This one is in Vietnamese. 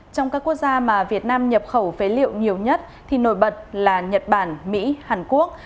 trong các quốc gia mà việt nam nhập khẩu phế liệu nhiều nhất thì nổi bật là nhật bản mỹ hàn quốc